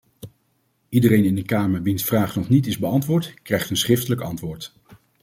Iedereen in de kamer wiens vraag nog niet is beantwoord, krijgt een schriftelijk antwoord.